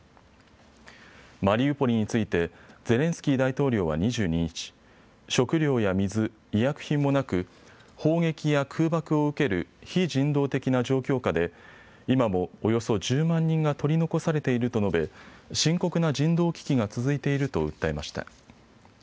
マリウポリについてゼレンスキー大統領は２２日、食料や水、医薬品もなく砲撃や空爆を受ける非人道的な状況下で今もおよそ１０万人が取り残されていると述べ深刻な人道危機が続いていると訴えました。